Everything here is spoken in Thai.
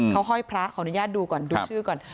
เขาห้อยพระขออนุญาตดูก่อนดูชื่อก่อน